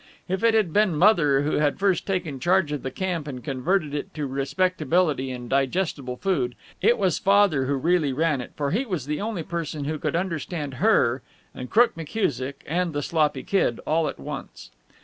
If it had been Mother who had first taken charge of the camp and converted it to respectability and digestible food, it was Father who really ran it, for he was the only person who could understand her and Crook McKusick and the sloppy Kid all at once.